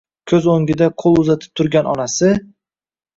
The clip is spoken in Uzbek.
Ko‘z o‘ngida qo‘l uzatib turgan onasi…